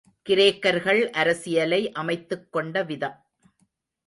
கிரேக்கர்கள் அரசியலை அமைத்துக் கொண்ட விதம்.